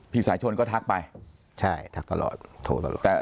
สายชนก็ทักไปใช่ทักตลอดโทรตลอด